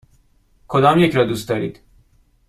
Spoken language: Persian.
کدامیک را دوست دارید؟